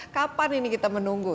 kapan ini kita menunggu